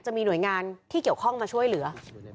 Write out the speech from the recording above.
จะมีหน่วยงานที่เกี่ยวข้องมาช่วยเหลือ